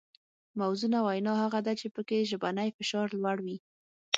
موزونه وینا هغه ده چې پکې ژبنی فشار لوړ وي